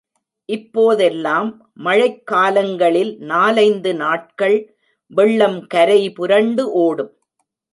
இப்போதெல்லாம் மழைக் காலங் களில் நாலைந்து நாட்கள் வெள்ளம் கரை புரண்டு ஒடும்.